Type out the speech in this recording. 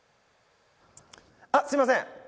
あっすいません。